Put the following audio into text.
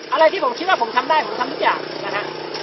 อะไรที่ผมคิดว่าผมทำได้ผมทำทุกอย่างนะฮะ